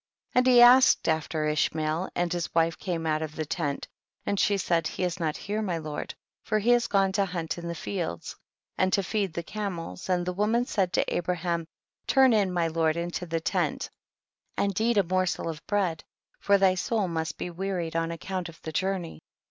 40. And he asked after Ishmael, and his wife came out of the tent and she said, he is not here my lord, for he has gone to hunt in the fields, and to feed the camels, and the woman said to Abraham, turn in my lord into the tent and eat a morsel of bread, for thy soul must be wearied on account of the journey.